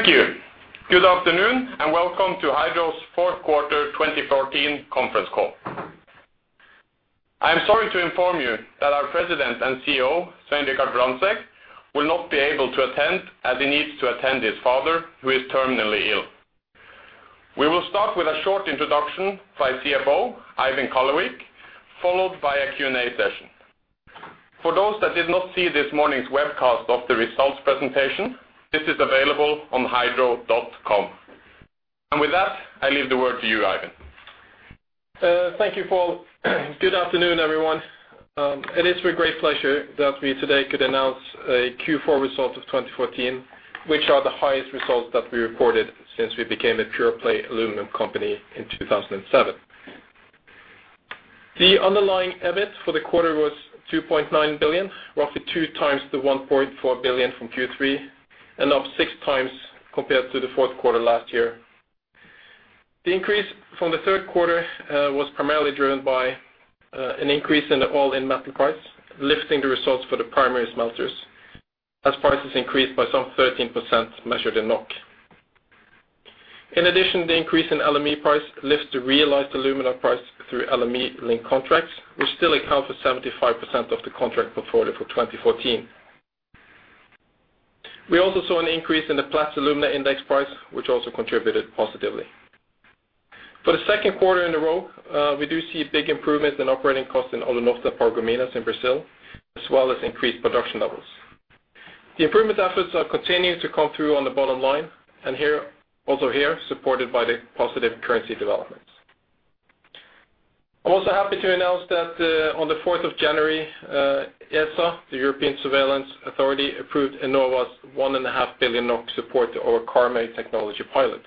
Thank you. Good afternoon, and welcome to Hydro's fourth quarter 2014 conference call. I'm sorry to inform you that our President and CEO, Svein Richard Brandtzæg, will not be able to attend as he needs to attend his father who is terminally ill. We will start with a short introduction by CFO Eivind Kallevik, followed by a Q&A session. For those that did not see this morning's webcast of the results presentation, this is available on hydro.com. With that, I leave the word to you, Eivind. Thank you, Pål. Good afternoon, everyone. It is with great pleasure that we today could announce a Q4 result of 2014, which are the highest results that we reported since we became a pure-play aluminum company in 2007. The underlying EBIT for the quarter was 2.9 billion, roughly 2x the 1.4 billion from Q3, and up 6x compared to the fourth quarter last year. The increase from the third quarter was primarily driven by an increase in the all-in metal price, lifting the results for the primary smelters as prices increased by some 13% measured in NOK. In addition, the increase in LME price lifts the realized alumina price through LME link contracts, which still account for 75% of the contract portfolio for 2014. We also saw an increase in the Platts Alumina Index price, which also contributed positively. For the second quarter in a row, we do see big improvements in operating costs in Alunorte and Paragominas in Brazil, as well as increased production levels. The improvement efforts are continuing to come through on the bottom line, and here, supported by the positive currency developments. I'm also happy to announce that, on the fourth of January, ESA, the EFTA Surveillance Authority, approved Enova's 1.5 billion NOK support to our Karmøy technology pilot.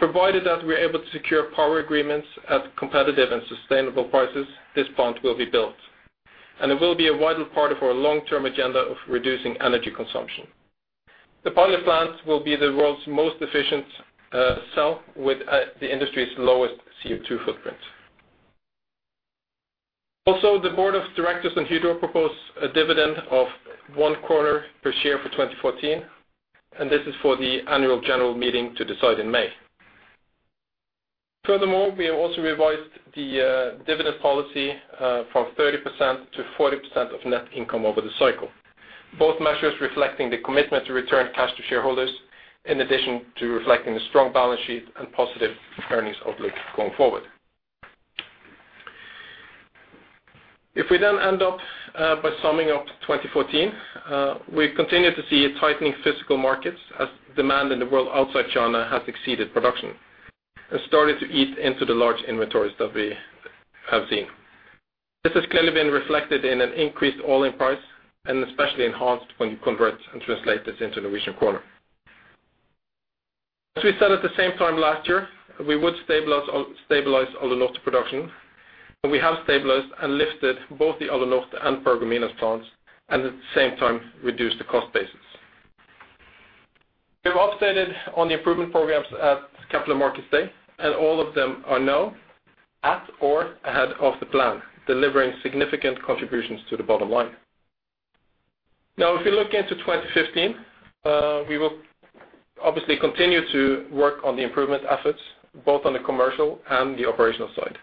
Provided that we're able to secure power agreements at competitive and sustainable prices, this plant will be built, and it will be a vital part of our long-term agenda of reducing energy consumption. The pilot plant will be the world's most efficient cell with the industry's lowest CO2 footprint. Also, the board of directors in Hydro propose a dividend of 1 per share for 2014, and this is for the annual general meeting to decide in May. Furthermore, we have also revised the dividend policy from 30%-40% of net income over the cycle. Both measures reflecting the commitment to return cash to shareholders, in addition to reflecting the strong balance sheet and positive earnings outlook going forward. If we then end up by summing up 2014, we continue to see tightening physical markets as demand in the world outside China has exceeded production and started to eat into the large inventories that we have seen. This has clearly been reflected in an increased all-in price and especially enhanced when you convert and translate this into Norwegian kroner. As we said at the same time last year, we would stabilize Alunorte production, and we have stabilized and lifted both the Alunorte and Paragominas plants and at the same time reduced the cost basis. We have updated on the improvement programs at Capital Markets Day, and all of them are now at or ahead of the plan, delivering significant contributions to the bottom line. Now, if you look into 2015, we will obviously continue to work on the improvement efforts, both on the commercial and the operational side.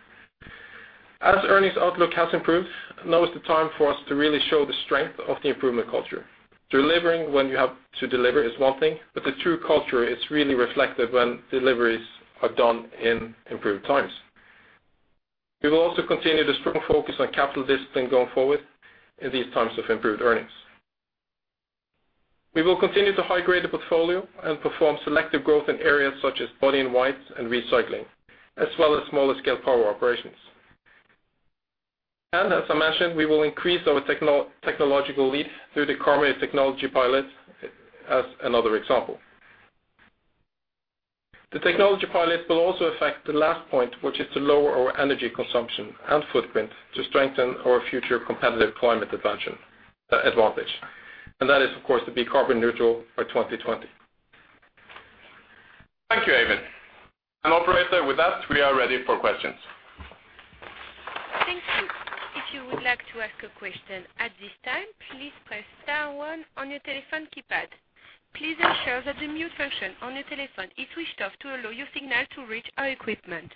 As earnings outlook has improved, now is the time for us to really show the strength of the improvement culture. Delivering when you have to deliver is one thing, but the true culture is really reflected when deliveries are done in improved times. We will also continue the strong focus on capital discipline going forward in these times of improved earnings. We will continue to high-grade the portfolio and perform selective growth in areas such as body-in-white and recycling, as well as smaller scale power operations. As I mentioned, we will increase our technological lead through the Karmøy technology pilot as another example. The technology pilot will also affect the last point, which is to lower our energy consumption and footprint to strengthen our future competitive climate advantage. That is, of course, to be carbon neutral by 2020. Thank you, Eivind. Operator, with that, we are ready for questions. Thank you. If you would like to ask a question at this time, please press star one on your telephone keypad. Please ensure that the mute function on your telephone is switched off to allow your signal to reach our equipment.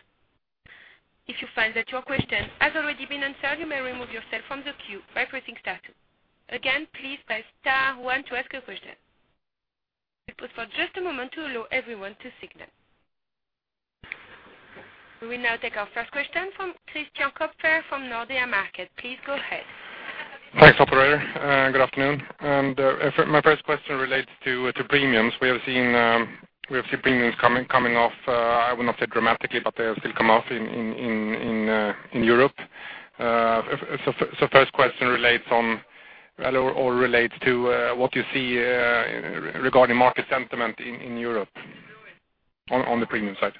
If you find that your question has already been answered, you may remove yourself from the queue by pressing star two. Again, please press star one to ask a question. We pause for just a moment to allow everyone to signal. We will now take our first question from Hans-Erik Jacobsen from Nordea Markets. Please go ahead. Thanks, operator. Good afternoon. My first question relates to premiums. We have seen premiums coming off. I would not say dramatically, but they have still come off in Europe. First question relates to what you see regarding market sentiment in Europe on the premium side.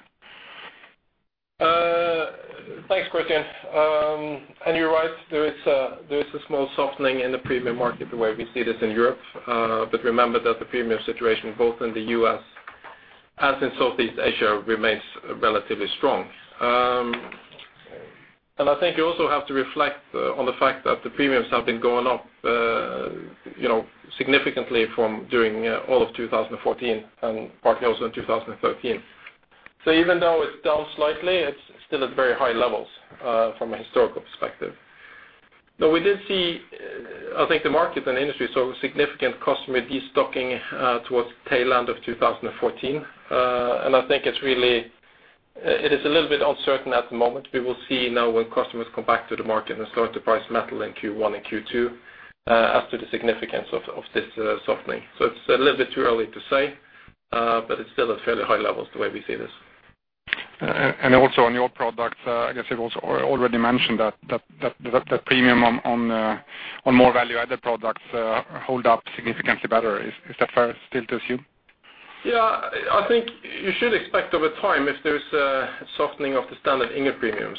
Thanks, Hans-Erik. You're right, there is a small softening in the premium market the way we see this in Europe. But remember that the premium situation both in the U.S. as in Southeast Asia remains relatively strong. I think you also have to reflect on the fact that the premiums have been going up, you know, significantly from during all of 2014 and partly also in 2013. Even though it's down slightly, it's still at very high levels from a historical perspective. Now, we did see, I think the market and industry saw significant customer destocking towards tail end of 2014. I think it's really a little bit uncertain at the moment. We will see now when customers come back to the market and start to price metal in Q1 and Q2, as to the significance of this softening. It's a little bit too early to say, but it's still at fairly high levels the way we see this. Also on your products, I guess it was already mentioned that the premium on more value-added products hold up significantly better. Is that fair still to assume? Yeah. I think you should expect over time, if there's a softening of the standard ingot premiums,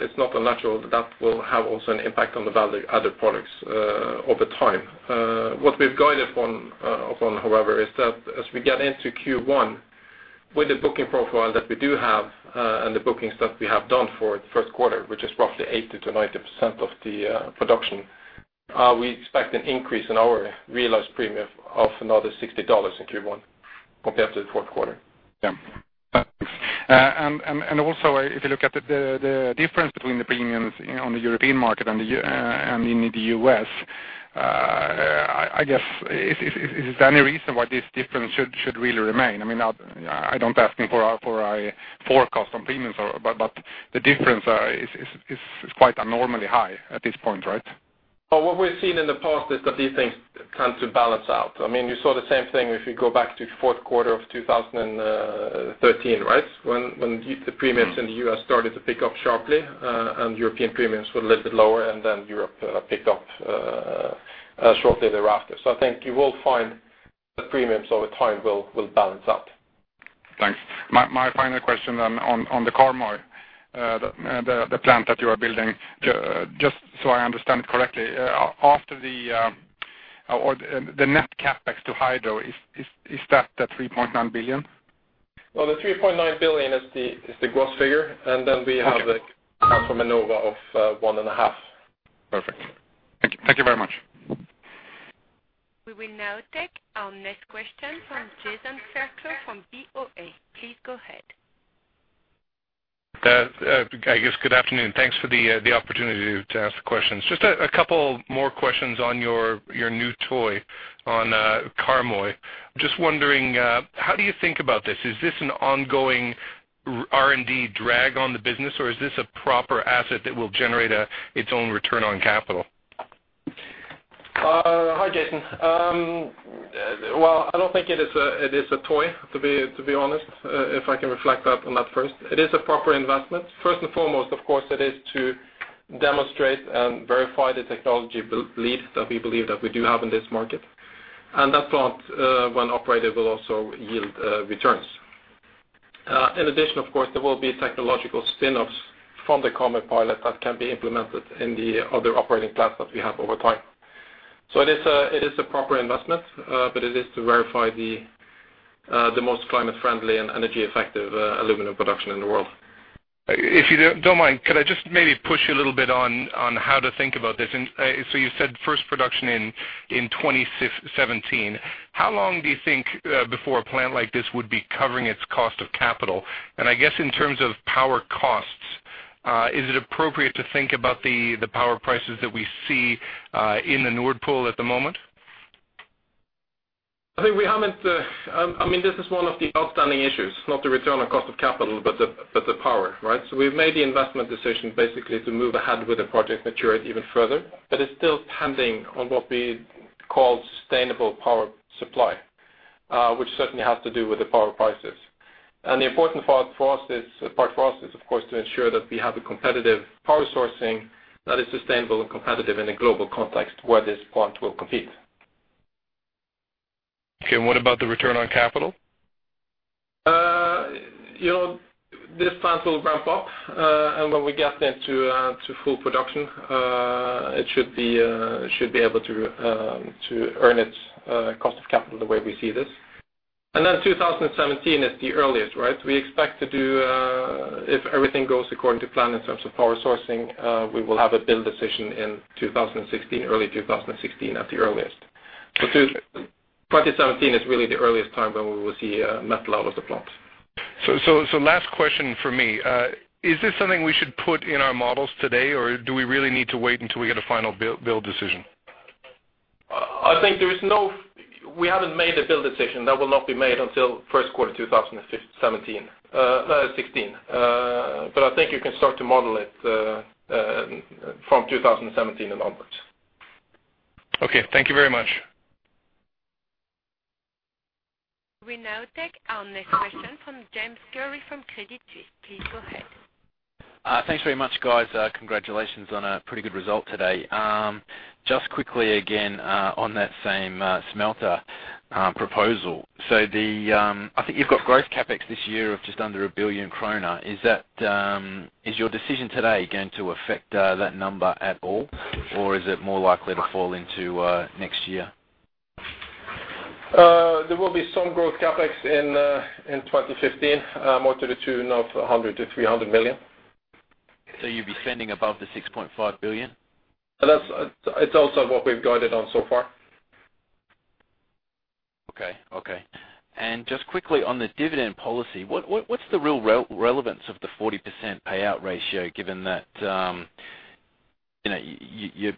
it's not unnatural that that will have also an impact on the value-added products, over time. What we've guided on, however is that as we get into Q1 with the booking profile that we do have, and the bookings that we have done for the first quarter, which is roughly 80%-90% of the production, we expect an increase in our realized premium of another $60 in Q1 compared to the fourth quarter. Yeah. Also if you look at the difference between the premiums on the European market and in the U.S., I guess, is there any reason why this difference should really remain? I mean, I'm not asking for a forecast on premiums, but the difference is quite abnormally high at this point, right? Well, what we've seen in the past is that these things tend to balance out. I mean, you saw the same thing if you go back to fourth quarter of 2013, right? When the premiums in the U.S. started to pick up sharply, and European premiums were a little bit lower, and then Europe picked up shortly thereafter. I think you will find the premiums over time will balance out. Thanks. My final question on the Karmøy, the plant that you are building. Just so I understand correctly, the net CapEx to Hydro is that the 3.9 billion? Well, the 3.9 billion is the gross figure. Okay. We have the CapEx of 1.5. Perfect. Thank you. Thank you very much. We will now take our next question from Jason Fairclough from BofA. Please go ahead. I guess good afternoon. Thanks for the opportunity to ask the questions. Just a couple more questions on your new toy on Karmøy. Just wondering, how do you think about this? Is this an ongoing R&D drag on the business, or is this a proper asset that will generate its own return on capital? Hi, Jason. Well, I don't think it is a toy, to be honest, if I can reflect on that first. It is a proper investment. First and foremost, of course, it is to demonstrate and verify the technology belief that we believe that we do have in this market. That plant, when operated, will also yield returns. In addition, of course, there will be technological spin-offs from the Karmøy pilot that can be implemented in the other operating plants that we have over time. It is a proper investment, but it is to verify the most climate-friendly and energy-efficient aluminum production in the world. If you don't mind, could I just maybe push you a little bit on how to think about this? So you said first production in 2017. How long do you think before a plant like this would be covering its cost of capital? I guess in terms of power costs, is it appropriate to think about the power prices that we see in the Nord Pool at the moment? I think we haven't. I mean, this is one of the outstanding issues, not the return on cost of capital, but the power, right? We've made the investment decision basically to move ahead with the project maturity even further, but it's still pending on what we call sustainable power supply, which certainly has to do with the power prices. The important part for us is of course to ensure that we have a competitive power sourcing that is sustainable and competitive in a global context where this plant will compete. Okay. What about the return on capital? You know, this plant will ramp up, and when we get into to full production, it should be able to earn its cost of capital the way we see this. 2017 is the earliest, right? We expect to do, if everything goes according to plan in terms of power sourcing, we will have a build decision in 2016, early 2016 at the earliest. 2017 is really the earliest time when we will see metal out of the plant. Last question from me. Is this something we should put in our models today, or do we really need to wait until we get a final build decision? We haven't made the build decision. That will not be made until first quarter 2016. I think you can start to model it from 2017 and onwards. Okay. Thank you very much. We now take our next question from James Gurry from Credit Suisse. Please go ahead. Thanks very much, guys. Congratulations on a pretty good result today. Just quickly again, on that same smelter proposal. I think you've got growth CapEx this year of just under 1 billion kroner. Is your decision today going to affect that number at all, or is it more likely to fall into next year? There will be some growth CapEx in 2015, more to the tune of 100 million-300 million. You'll be spending above the 6.5 billion? It's also what we've guided on so far. Okay. Just quickly on the dividend policy, what's the real relevance of the 40% payout ratio given that, you know,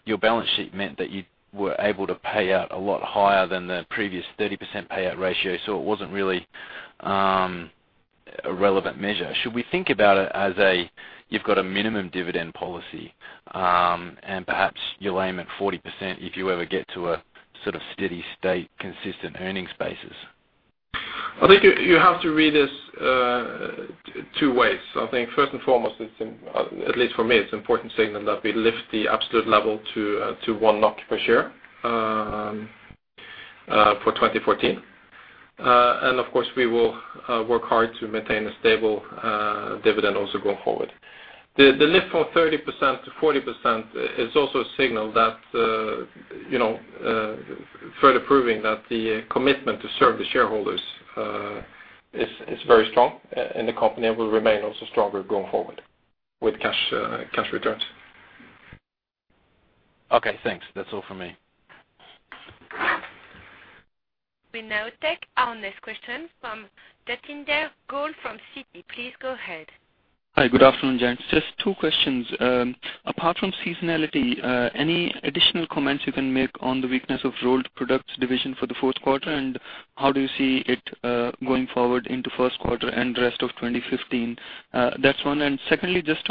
your balance sheet meant that you were able to pay out a lot higher than the previous 30% payout ratio, so it wasn't really a relevant measure. Should we think about it as you've got a minimum dividend policy, and perhaps you'll aim at 40% if you ever get to a sort of steady state, consistent earnings basis? I think you have to read this two ways. I think first and foremost, at least for me, it's important signal that we lift the absolute level to 1 NOK per share for 2014. Of course, we will work hard to maintain a stable dividend also going forward. The lift from 30%-40% is also a signal that you know further proving that the commitment to serve the shareholders is very strong in the company and will remain also stronger going forward with cash returns. Okay, thanks. That's all for me. We now take our next question from Jatinder Goel from Citi. Please go ahead. Hi, good afternoon, gents. Just two questions. Apart from seasonality, any additional comments you can make on the weakness of Rolled Products division for the fourth quarter, and how do you see it going forward into first quarter and the rest of 2015? That's one. Secondly, just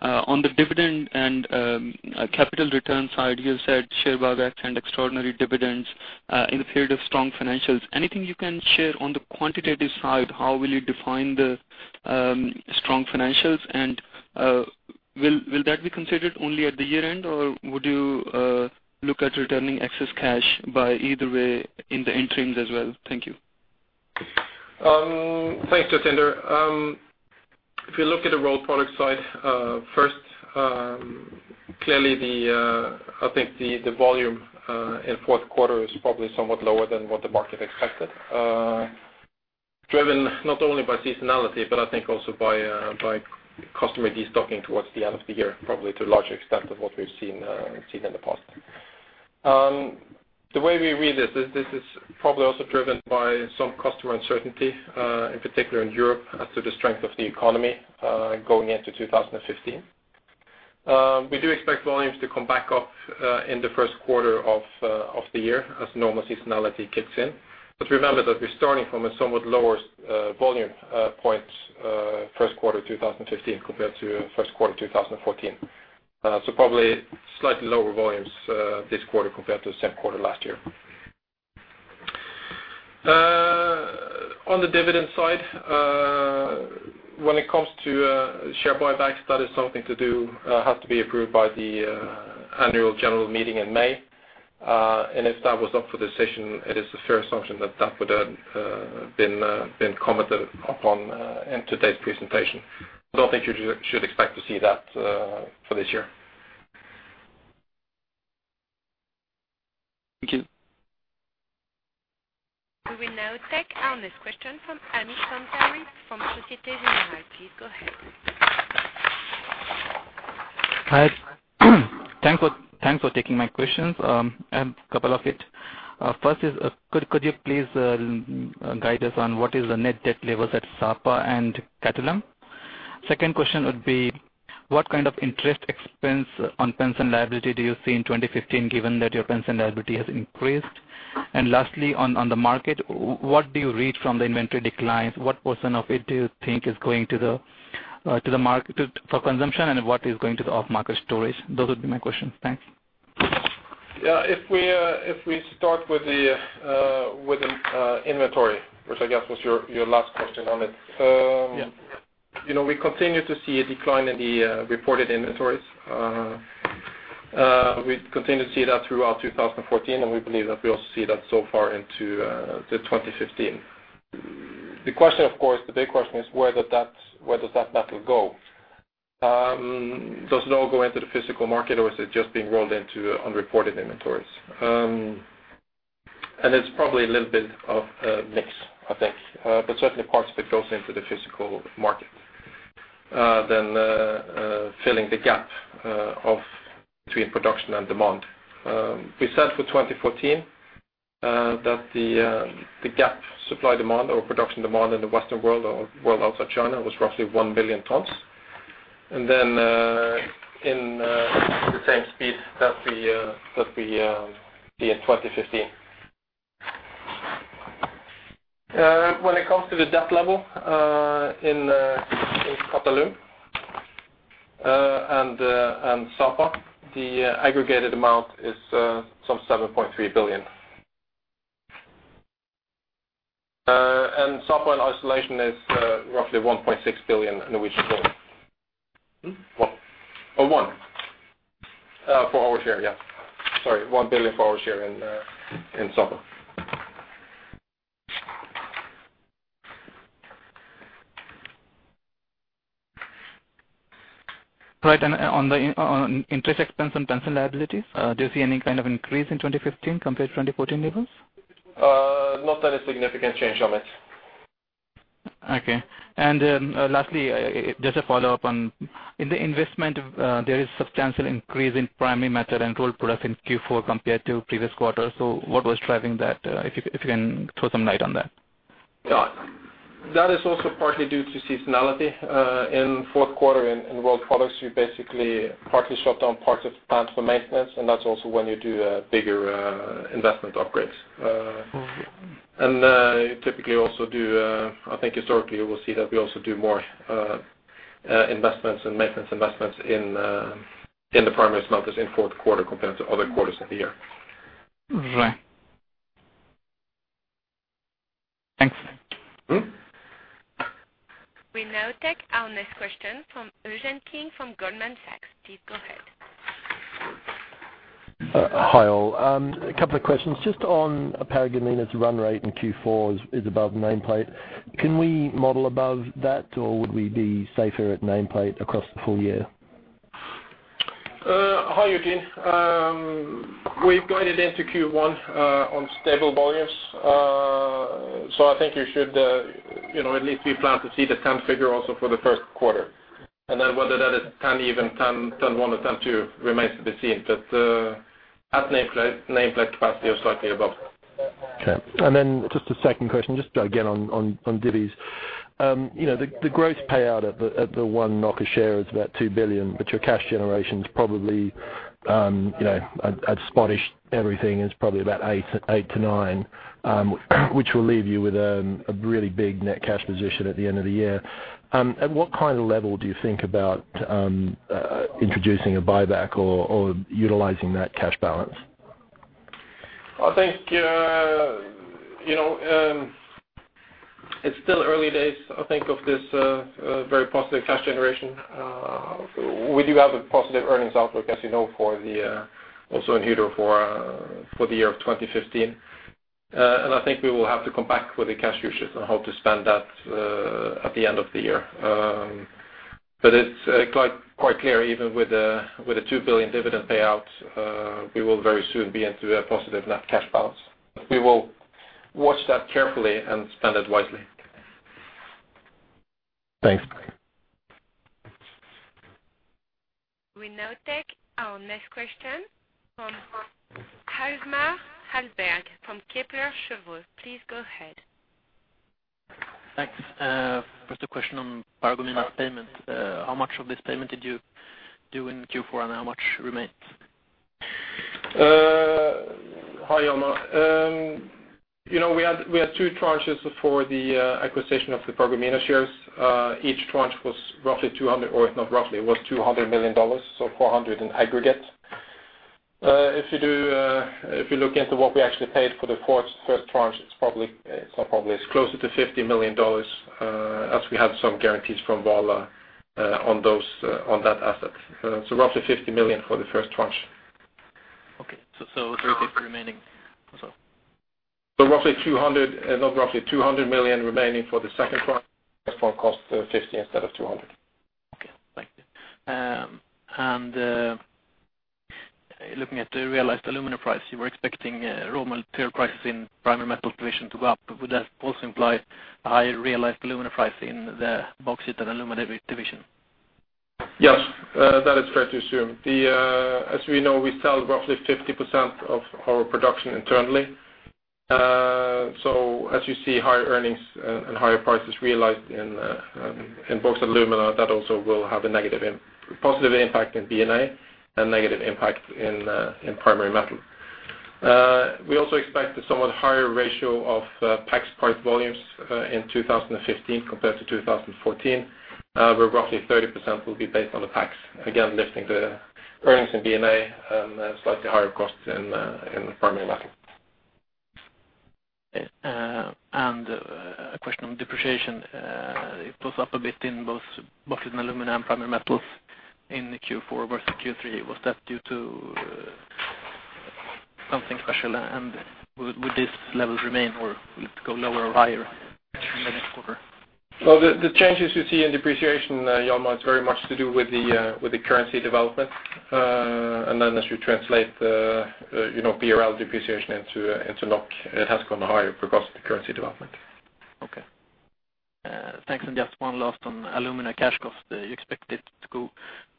on the dividend and capital return side, you said share buybacks and extraordinary dividends in the period of strong financials. Anything you can share on the quantitative side, how will you define the strong financials? And will that be considered only at the year-end, or would you look at returning excess cash by either way in the interims as well? Thank you. Thanks, Jatinder. If you look at the Rolled Products side, first, clearly I think the volume in fourth quarter is probably somewhat lower than what the market expected, driven not only by seasonality, but I think also by customer destocking towards the end of the year, probably to a larger extent than what we've seen in the past. The way we read this is this is probably also driven by some customer uncertainty, in particular in Europe as to the strength of the economy, going into 2015. We do expect volumes to come back up in the first quarter of the year as normal seasonality kicks in. Remember that we're starting from a somewhat lower volume point, first quarter 2015 compared to first quarter 2014. Probably slightly lower volumes, this quarter compared to the same quarter last year. On the dividend side, when it comes to share buybacks, that is something to do has to be approved by the annual general meeting in May. If that was up for decision, it is a fair assumption that that would been commented upon in today's presentation. I think you should expect to see that for this year. Thank you. We will now take our next question from Amit Sharda from Société Générale. Please go ahead. Hi. Thanks for taking my questions. I have a couple of it. First is, could you please guide us on what is the net debt levels at Sapa and Qatalum? Second question would be, what kind of interest expense on pension liability do you see in 2015 given that your pension liability has increased? Lastly, on the market, what do you read from the inventory declines? What % of it do you think is going to the market for consumption, and what is going to the off-market storage? Those would be my questions. Thanks. Yeah. If we start with the inventory, which I guess was your last question, Amit. Yeah. You know, we continue to see a decline in the reported inventories. We continue to see that throughout 2014, and we believe that we'll see that so far into 2015. The question, of course, the big question is where does that metal go? Does it all go into the physical market, or is it just being rolled into unreported inventories? It's probably a little bit of a mix, I think. Certainly parts of it goes into the physical market, then filling the gap between production and demand. We said for 2014 that the supply-demand gap or production-demand in the Western world or world outside China was roughly 1 billion tons. In the same speed that we see in 2015. When it comes to the debt level in Qatalum and Sapa, the aggregated amount is some 7.3 billion. Sapa in isolation is roughly 1.6 billion. Hmm. What? Oh, for our share, yeah. Sorry, 1 billion for our share in Sapa. Right. On the interest expense and pension liabilities, do you see any kind of increase in 2015 compared to 2014 levels? Not any significant change on it. Just a follow-up on the investment, there is substantial increase in Primary Metal and Rolled Products in Q4 compared to previous quarters. What was driving that? If you can throw some light on that. Yeah. That is also partly due to seasonality. In fourth quarter in Rolled Products, we basically partly shut down parts of plants for maintenance, and that's also when you do bigger investment upgrades. Mm-hmm. You typically also do. I think historically you will see that we also do more investments and maintenance investments in the primary smelters in fourth quarter compared to other quarters of the year. Right. Thanks. Mm-hmm. We now take our next question from Eugene King from Goldman Sachs. Please go ahead. Hi all. A couple of questions. Just on Paragominas run rate in Q4 is above nameplate. Can we model above that, or would we be safer at nameplate across the full year? Hi, Eugene. We've guided into Q1 on stable volumes. I think you should, you know, at least we plan to see the same figure also for the first quarter. Whether that is 100% even, 101%-102% remains to be seen, but at nameplate capacity or slightly above. Okay. Just a second question, just again on divvies. You know, the gross payout at the NOK a share is about 2 billion, but your cash generation's probably, you know, at spot-ish everything is probably about 8 billion-9 billion, which will leave you with a really big net cash position at the end of the year. At what kind of level do you think about introducing a buyback or utilizing that cash balance? I think, you know, it's still early days, I think, of this very positive cash generation. We do have a positive earnings outlook, as you know, for the also in Hydro for for the year of 2015. I think we will have to come back with the cash usage on how to spend that, at the end of the year. It's quite clear, even with the 2 billion dividend payout, we will very soon be into a positive net cash balance. We will watch that carefully and spend it wisely. Thanks. We now take our next question from Hjalmar Hellberg from Kepler Cheuvreux. Please go ahead. Thanks. First a question on Paragominas payment. How much of this payment did you do in Q4, and how much remains? Hi, Hjalmar. You know, we had two tranches for the acquisition of the Paragominas shares. Each tranche was roughly $200 million, or not roughly, it was $200 million, so $400 million in aggregate. If you look into what we actually paid for the first tranche, it's probably, it's not probably, it's closer to $50 million, as we have some guarantees from Vale on that asset. Roughly $50 million for the first tranche. Okay. 30 remaining or so? $200 million remaining for the second tranche. First one cost $50 million instead of $200 million. Okay. Thank you. Looking at the realized alumina price, you were expecting raw material prices in primary metal division to go up. Would that also imply a higher realized alumina price in the bauxite and alumina division? Yes, that is fair to assume. As we know, we sell roughly 50% of our production internally. As you see higher earnings and higher prices realized in bauxite and alumina, that also will have a positive impact in B&A and negative impact in primary metal. We also expect a somewhat higher ratio of PAX price volumes in 2015 compared to 2014, where roughly 30% will be based on the PAX. Again, lifting the earnings in B&A and slightly higher costs in primary metal. Okay. A question on depreciation. It was up a bit in both Bauxite & Alumina and Primary Metal in Q4 versus Q3. Was that due to something special, and would these levels remain or will it go lower or higher in the next quarter? Well, the changes you see in depreciation, Hjalmar, is very much to do with the currency development. As you translate, you know, BRL depreciation into NOK, it has gone higher because of the currency development. Okay. Thanks. Just one last on alumina cash costs. You expect it to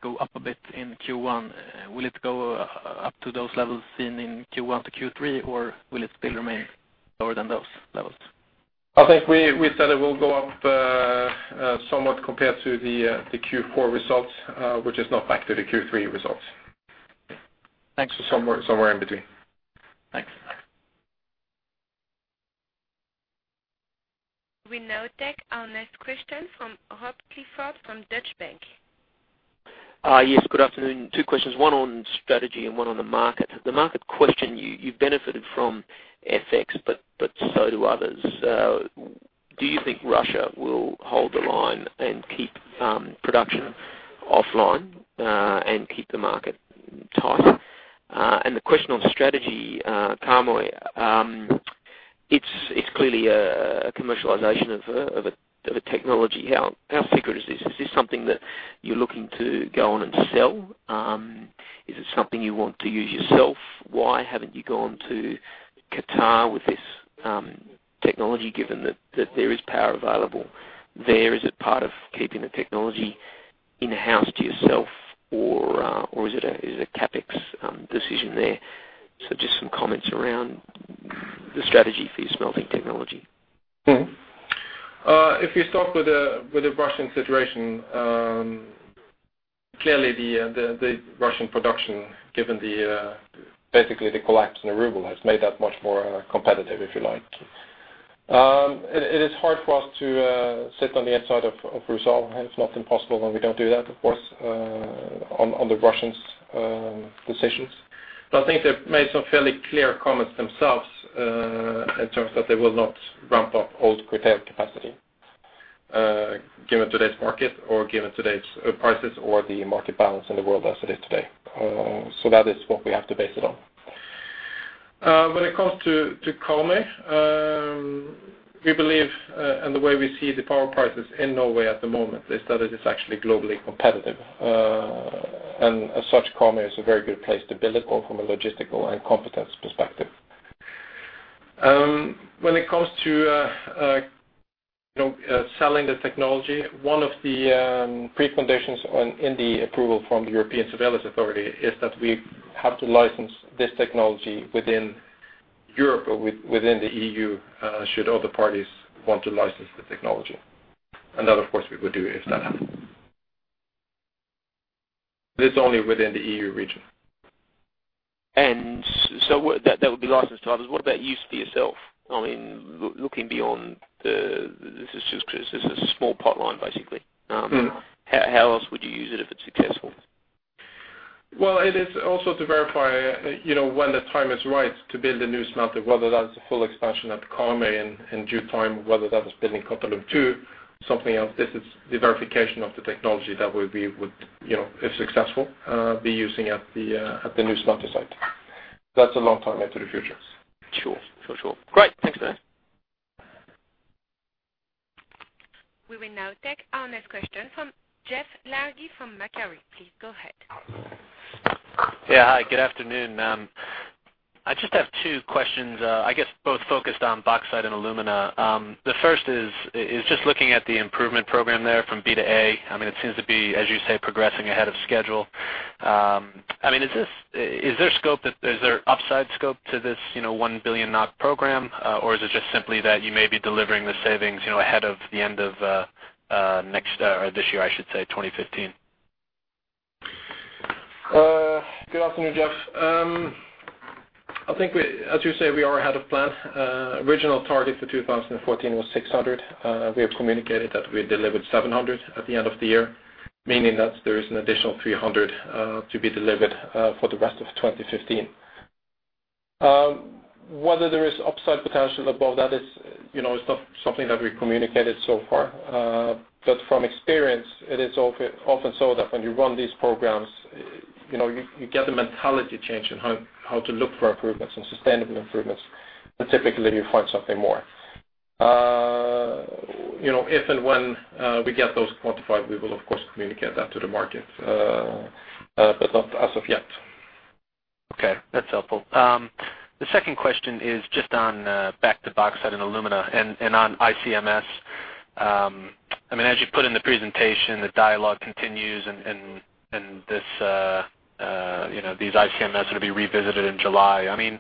go up a bit in Q1. Will it go up to those levels seen in Q1 to Q3, or will it still remain lower than those levels? I think we said it will go up somewhat compared to the Q4 results, which is not back to the Q3 results. Thanks. Somewhere in between. Thanks. We now take our next question from Rob Clifford from Deutsche Bank. Yes. Good afternoon. Two questions, one on strategy and one on the market. The market question, you've benefited from FX, but so do others. Do you think Russia will hold the line and keep production offline, and keep the market tight? The question on strategy, Karmøy, it's clearly a commercialization of a technology. How secret is this? Is this something that you're looking to go on and sell? Is it something you want to use yourself? Why haven't you gone to Qatar with this technology, given that there is power available there? Is it part of keeping the technology in-house to yourself or is it a CapEx decision there? Just some comments around the strategy for your smelting technology. If you start with the Russian situation, clearly the Russian production, given basically the collapse in the ruble, has made that much more competitive, if you like. It is hard for us to sit on the outside of Rusal. It's not impossible, and we don't do that, of course, on the Russians' decisions. I think they've made some fairly clear comments themselves, in terms that they will not ramp up old Kitimat capacity, given today's market or given today's prices or the market balance in the world as it is today. That is what we have to base it on. When it comes to Karmøy, we believe and the way we see the power prices in Norway at the moment is that it is actually globally competitive. As such, Karmøy is a very good place to build it all from a logistical and competence perspective. When it comes to, you know, selling the technology, one of the preconditions in the approval from the EFTA Surveillance Authority is that we have to license this technology within Europe or within the EU, should other parties want to license the technology. That, of course, we would do if that happened. This is only within the EU region. What? That would be licensed to others. What about use for yourself? I mean, looking beyond this. This is just 'cause this is a small pipeline, basically. Mm-hmm. How else would you use it if it's successful? Well, it is also to verify, you know, when the time is right to build a new smelter, whether that's a full expansion at Karmøy in due time, whether that is building Kopervik II, something else. This is the verification of the technology that we would, you know, if successful, be using at the new smelter site. That's a long time into the future. Sure. For sure. Great. Thanks, Eivind Kallevik. We will now take our next question from Jeff Largey from Macquarie. Please go ahead. Yeah. Hi, good afternoon. I just have two questions, I guess both focused on bauxite and alumina. The first is just looking at the improvement program there from B&A. I mean, it seems to be, as you say, progressing ahead of schedule. I mean, is there upside scope to this, you know, 1 billion NOK program, or is it just simply that you may be delivering the savings, you know, ahead of the end of next, or this year, I should say, 2015? Good afternoon, Jeff. I think we, as you say, we are ahead of plan. Original target for 2014 was 600. We have communicated that we delivered 700 at the end of the year, meaning that there is an additional 300 to be delivered for the rest of 2015. Whether there is upside potential above that is, you know, is not something that we communicated so far. But from experience, it is often so that when you run these programs, you know, you get the mentality change in how to look for improvements and sustainable improvements, but typically you find something more. You know, if and when we get those quantified, we will of course communicate that to the market, but not as of yet. Okay, that's helpful. The second question is just on back to Bauxite and Alumina and on ICMS. I mean, as you put in the presentation, the dialogue continues and this you know, these ICMS are gonna be revisited in July. I mean,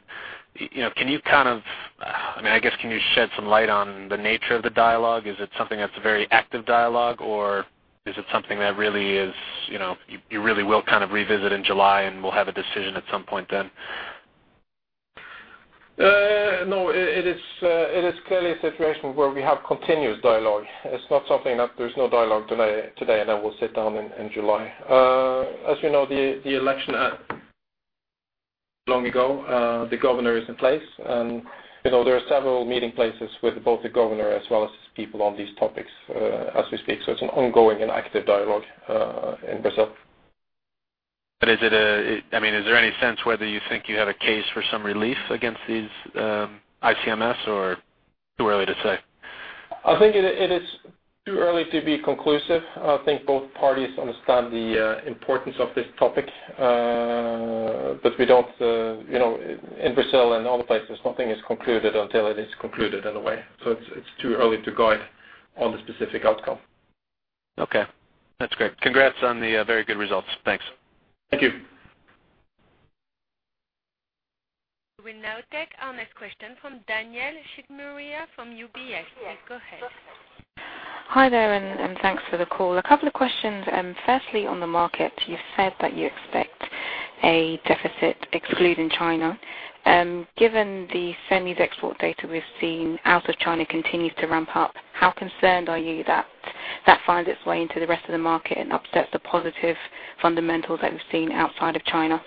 you know, can you kind of, I mean, I guess, can you shed some light on the nature of the dialogue? Is it something that's a very active dialogue, or is it something that really is, you know, you really will kind of revisit in July and will have a decision at some point then? No, it is clearly a situation where we have continuous dialogue. It's not something that there's no dialogue today, and then we'll sit down in July. As you know, the election long ago, the governor is in place and, you know, there are several meeting places with both the governor as well as his people on these topics, as we speak. It's an ongoing and active dialogue in Brazil. I mean, is there any sense whether you think you have a case for some relief against these ICMS or too early to say? I think it is too early to be conclusive. I think both parties understand the importance of this topic. We don't, you know, in Brazil and other places, nothing is concluded until it is concluded in a way. It's too early to guide on the specific outcome. Okay. That's great. Congrats on the very good results. Thanks. Thank you. We'll now take our next question from Danielle Chigumira from UBS. Please go ahead. Hi there, and thanks for the call. A couple of questions. Firstly, on the market, you said that you expect a deficit excluding China. Given the Chinese export data we've seen out of China continues to ramp up, how concerned are you that that finds its way into the rest of the market and upsets the positive fundamentals that we've seen outside of China?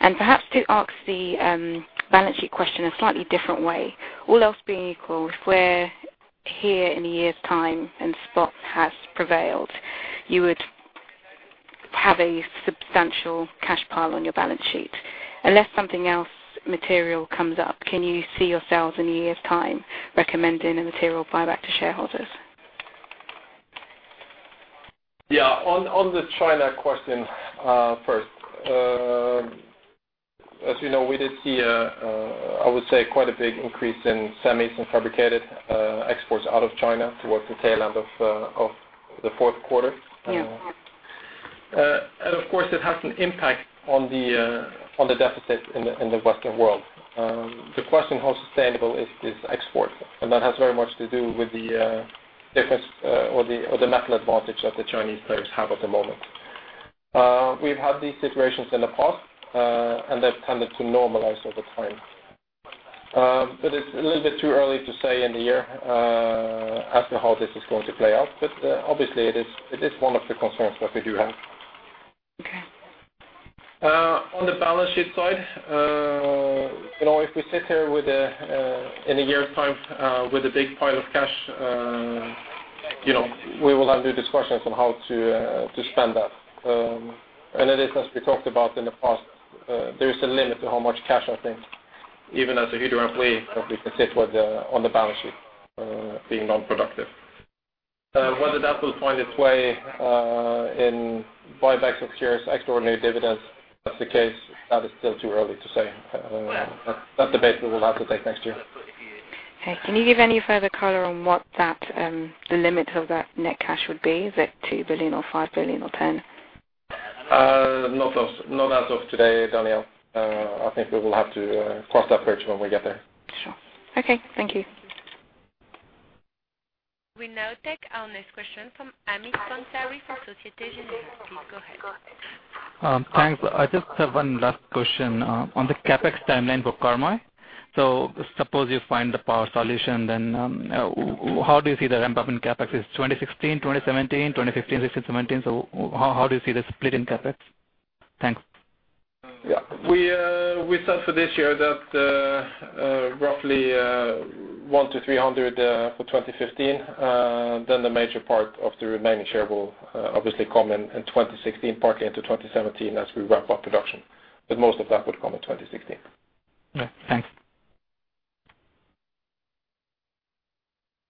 Perhaps to ask the balance sheet question a slightly different way, all else being equal, if we're here in a year's time and spot has prevailed. You would have a substantial cash pile on your balance sheet. Unless something else material comes up, can you see yourselves in a year's time recommending a material buyback to shareholders? Yeah. On the China question, first, as you know, we did see, I would say, quite a big increase in semis and fabricated exports out of China towards the tail end of the fourth quarter. Yeah. Of course it has an impact on the deficit in the Western world. The question, how sustainable is this export? That has very much to do with the difference or the metal advantage that the Chinese players have at the moment. We've had these situations in the past, and they've tended to normalize over time. It's a little bit too early to say in the year as to how this is going to play out. Obviously it is one of the concerns that we do have. Okay. On the balance sheet side, you know, if we sit here in a year's time with a big pile of cash, you know, we will have the discussions on how to spend that. It is, as we talked about in the past, there is a limit to how much cash I think even as a Hydro employee that we can sit with on the balance sheet, being non-productive. Whether that will find its way in buybacks of shares, extraordinary dividends, if that's the case, that is still too early to say. That's a debate we will have to take next year. Okay. Can you give any further color on what that, the limits of that net cash would be? Is it 2 billion or 5 billion or 10 billion? Not as of today, Danielle. I think we will have to cross that bridge when we get there. Sure. Okay. Thank you. We'll now take our next question from Amit Singhal from Société Générale. Please go ahead. Thanks. I just have one last question on the CapEx timeline for Karmøy. Suppose you find the power solution, then, how do you see the ramp-up in CapEx? Is 2016, 2017, 2015, 2017? How do you see the split in CapEx? Thanks. We thought for this year that roughly 100-300 for 2015, then the major part of the remaining share will obviously come in 2016, partly into 2017 as we ramp up production. Most of that would come in 2016. Yeah. Thanks.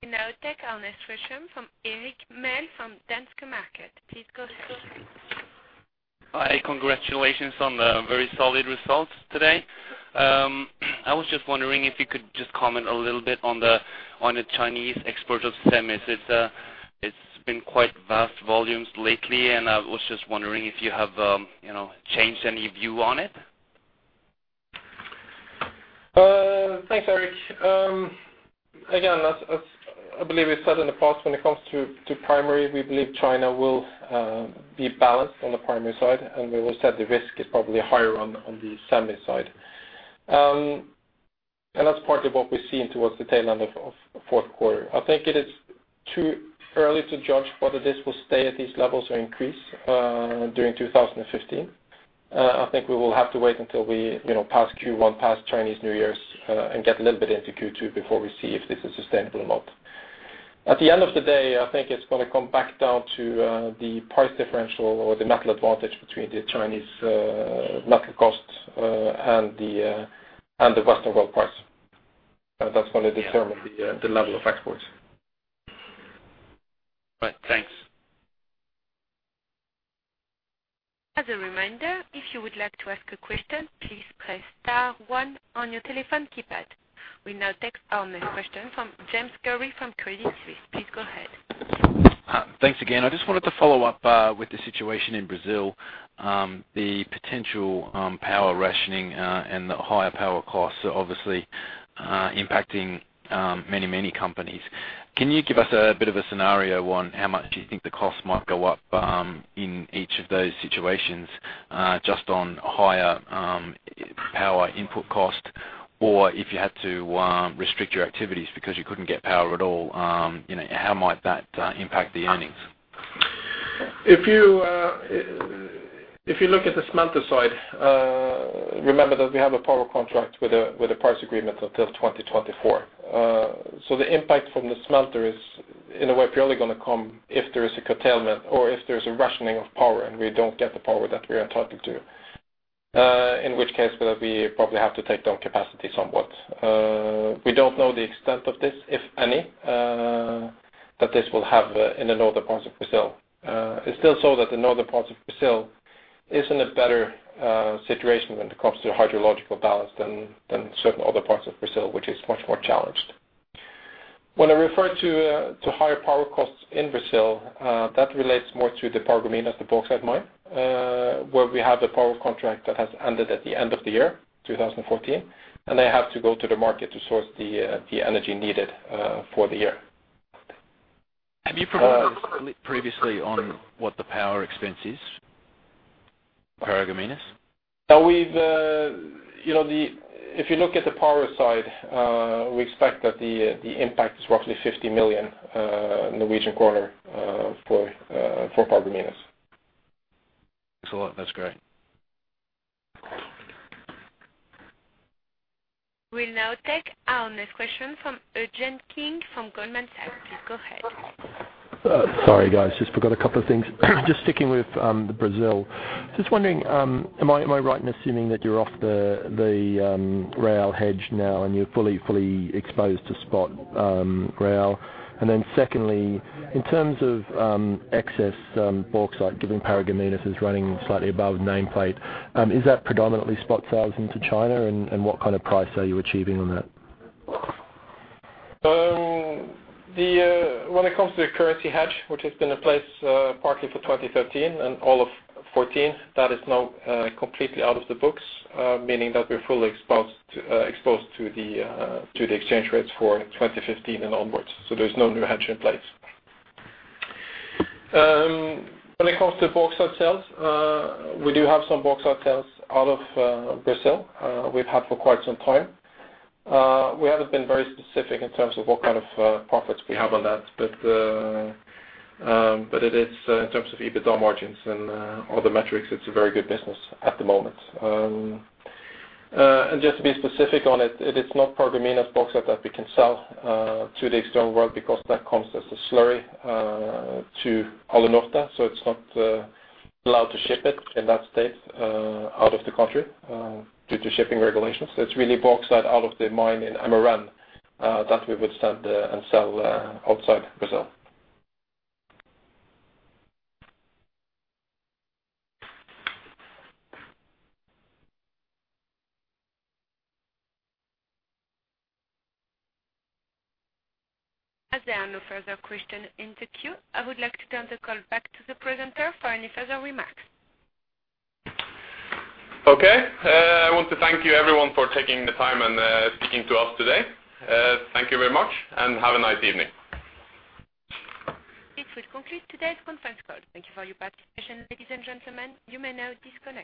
We'll now take our next question from Erik Maaløer Danske Markets. Please go ahead. Hi. Congratulations on the very solid results today. I was just wondering if you could just comment a little bit on the Chinese export of semis. It's been quite vast volumes lately, and I was just wondering if you have, you know, changed any view on it. Thanks, Erik. Again, as I believe we've said in the past, when it comes to primary, we believe China will be balanced on the primary side, and we see the risk is probably higher on the semi side. That's partly what we're seeing towards the tail end of fourth quarter. I think it is too early to judge whether this will stay at these levels or increase during 2015. I think we will have to wait until we, you know, pass Q1, pass Chinese New Year, and get a little bit into Q2 before we see if this is a sustainable amount. At the end of the day, I think it's gonna come back down to the price differential or the metal advantage between the Chinese metal costs and the Western world price. That's gonna determine the level of exports. Right. Thanks. As a reminder, if you would like to ask a question, please press star one on your telephone keypad. We'll now take our next question from James Gurry from Credit Suisse. Please go ahead. Thanks again. I just wanted to follow up with the situation in Brazil. The potential power rationing and the higher power costs are obviously impacting many companies. Can you give us a bit of a scenario on how much do you think the costs might go up in each of those situations just on higher power input cost? Or if you had to restrict your activities because you couldn't get power at all, you know, how might that impact the earnings? If you look at the smelter side, remember that we have a power contract with a price agreement until 2024. The impact from the smelter is, in a way, purely gonna come if there is a curtailment or if there's a rationing of power and we don't get the power that we are entitled to. In which case, we probably have to take down capacity somewhat. We don't know the extent of this, if any, that this will have in the northern parts of Brazil. It's still so that the northern parts of Brazil is in a better situation when it comes to hydrological balance than certain other parts of Brazil, which is much more challenged. When I refer to higher power costs in Brazil, that relates more to the Paragominas, the bauxite mine, where we have a power contract that has ended at the end of the year 2014, and they have to go to the market to source the energy needed for the year. Have you provided previously on what the power expense is for Paragominas? Now we've, you know, if you look at the power side, we expect that the impact is roughly 50 million Norwegian kroner for Paragominas. Thanks a lot. That's great. We'll now take our next question from Eugene King from Goldman Sachs. Please go ahead. Sorry, guys, just forgot a couple of things. Just sticking with the Brazil. Just wondering, am I right in assuming that you're off the rail hedge now and you're fully exposed to spot rail? And then secondly, in terms of excess bauxite, given Paragominas is running slightly above nameplate, is that predominantly spot sales into China? And what kind of price are you achieving on that? When it comes to the currency hedge, which has been in place partly for 2013 and all of 2014, that is now completely out of the books, meaning that we're fully exposed to the exchange rates for 2015 and onwards. There's no new hedge in place. When it comes to bauxite sales, we do have some bauxite sales out of Brazil. We've had for quite some time. We haven't been very specific in terms of what kind of profits we have on that. It is in terms of EBITDA margins and other metrics. It's a very good business at the moment. Just to be specific on it is not Paragominas bauxite that we can sell to the external world because that comes as a slurry to Alunorte. It's not allowed to ship it in that state out of the country due to shipping regulations. It's really bauxite out of the mine in Amapá that we would send and sell outside Brazil. As there are no further question in the queue, I would like to turn the call back to the presenter for any further remarks. Okay. I want to thank you everyone for taking the time and speaking to us today. Thank you very much and have a nice evening. This will conclude today's conference call. Thank you for your participation, ladies and gentlemen. You may now disconnect.